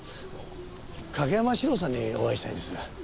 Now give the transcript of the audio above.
景山史朗さんにお会いしたいんですが。